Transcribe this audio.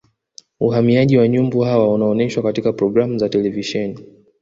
uhamiaji wa nyumbu hawa unaonyeshwa katika programu za televisheni